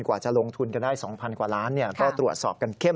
กว่าจะลงทุนกันได้๒๐๐กว่าล้านก็ตรวจสอบกันเข้ม